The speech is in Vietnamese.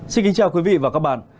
xin kính chào quý vị và các bạn